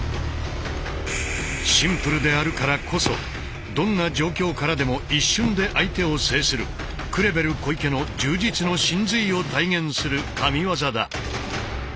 シンプルであるからこそどんな状況からでも一瞬で相手を制するクレベル・コイケの柔術の神髄を体現するＫＡＭＩＷＡＺＡだ。